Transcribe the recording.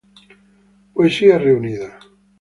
Poesía reunida.